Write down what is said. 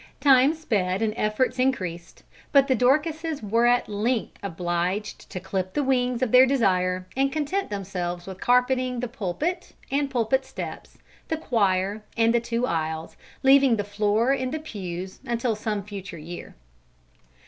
Time sped and efforts increased, but the Dorcases were at length obliged to clip the wings of their desire and content themselves with carpeting the pulpit and pulpit steps, the choir, and the two aisles, leaving the floor in the pews until some future year.